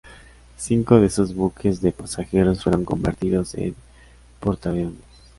Cinco de sus buques de pasajeros fueron convertidos en portaaviones.